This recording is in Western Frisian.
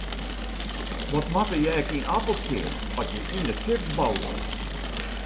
Wat moatte je ek yn Appelskea at je yn de skipsbou wolle?